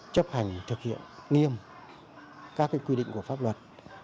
chấp hành thực hiện nghiêm các quy định của pháp luật